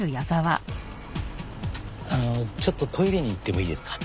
あのちょっとトイレに行ってもいいですか？